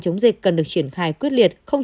chống dịch cần được triển khai quyết liệt không